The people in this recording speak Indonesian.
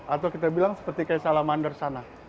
atau kita bilang seperti kayak salamander sana